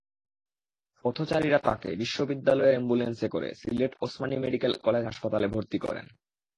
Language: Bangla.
পথচারীরা তাঁকে বিশ্ববিদ্যালয়ের অ্যাম্বুলেন্সে করে সিলেটে ওসমানী মেডিকেল কলেজ হাসপাতালে ভর্তি করেন।